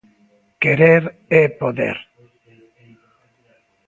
Querer é poder.